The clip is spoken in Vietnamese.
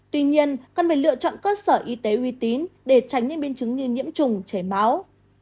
tuy nhiên cần phải lựa chọn cơ sở y tế uy tín để tránh những biến chứng như nhiễm trùng chảy máu